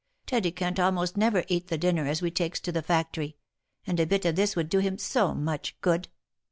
Teddy can't almost never eat the dinner as we takes to the factory, and a bit of this would do him so much good